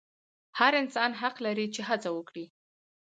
هر انسان حق لري چې هڅه وکړي.